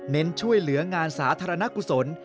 ช่วยเหลืองานสาธารณกุศล